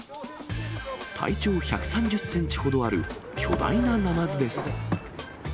体長１３０センチほどある巨大なナマズです。